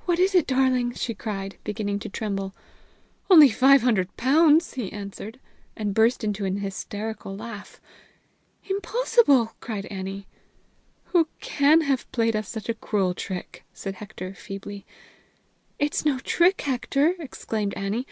"What is it, darling?" she cried, beginning to tremble. "Only five hundred pounds!" he answered, and burst into an hysterical laugh. "Impossible!" cried Annie. "Who can have played us such a cruel trick?" said Hector feebly. "It's no trick, Hector!" exclaimed Annie.